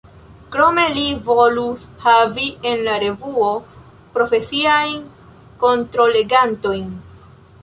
Krome li volus havi en la revuo profesiajn kontrollegantojn.